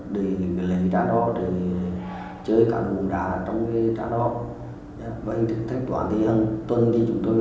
để lấy đá đỏ để chơi cả đủ đá trong đá đỏ bệnh thức thách toán thì hằng tuần thì chúng tôi thách